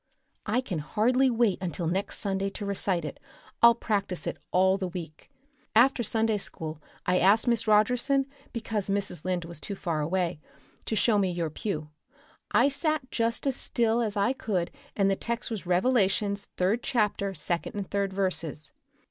I can hardly wait until next Sunday to recite it. I'll practice it all the week. After Sunday school I asked Miss Rogerson because Mrs. Lynde was too far away to show me your pew. I sat just as still as I could and the text was Revelations, third chapter, second and third verses.